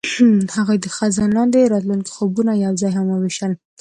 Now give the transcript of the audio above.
هغوی د خزان لاندې د راتلونکي خوبونه یوځای هم وویشل.